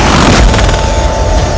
beberapa kata benda yang